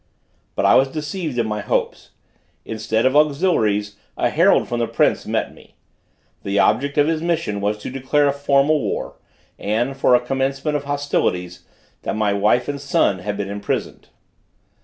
But I was deceived in my hopes: instead of auxiliaries a herald from the prince met me. The object of his mission was to declare a formal war, and, for a commencement of hostilities, that my wife and son had been imprisoned.